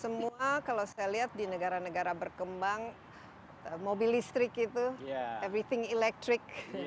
semua kalau saya lihat di negara negara berkembang mobil listrik itu everything electric